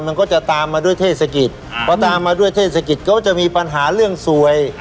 มันก็จะตามมาด้วยเทศกิจพอตามมาด้วยเทศกิจก็จะมีปัญหาเรื่องสวย